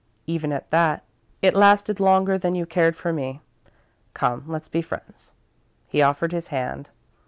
Even at that, it lasted longer than you cared for me. Come, let's be friends." He offered his hand.